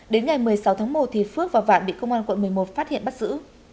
đến ngày một mươi sáu tháng một phước và vạn bị công an quận một mươi một phát hiện bắt giữ